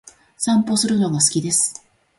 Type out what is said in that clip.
散歩するのが好きです。